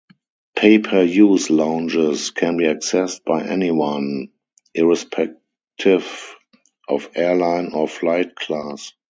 Pay-per-use lounges can be accessed by anyone, irrespective of airline or flight class.